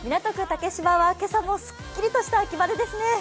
竹芝は今朝もすっきりとした秋晴れですね。